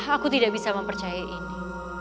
aku tidak bisa mempercaya ini